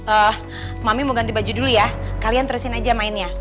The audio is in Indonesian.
eh mami mau ganti baju dulu ya kalian terusin aja mainnya